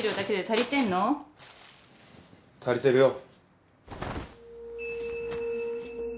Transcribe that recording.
足りてるよ！